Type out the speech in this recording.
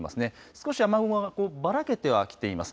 少し雨雲、ばらけてはきています。